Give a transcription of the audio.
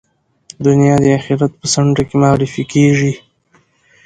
دنیا د آخرت په څنډه کې معرفي کېږي.